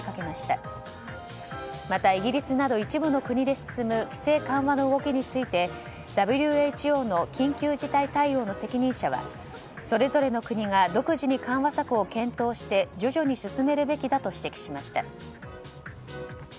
またイギリスなど一部の国で進む規制緩和の動きについてＷＨＯの緊急事態対応の責任者はそれぞれの国が独自に緩和策を検討して徐々に進めるべきだと指摘しました。